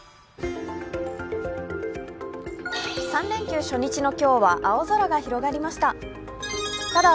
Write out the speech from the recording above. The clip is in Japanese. ３連休初日の今日は、青空が広がりました。